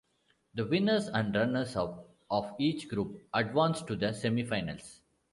The winners and runners-up of each group advance to the semifinals.